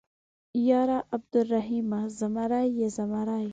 _ياره عبرالرحيمه ، زمری يې زمری.